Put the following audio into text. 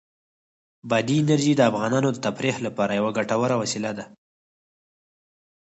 بادي انرژي د افغانانو د تفریح لپاره یوه ګټوره وسیله ده.